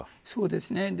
そうですね。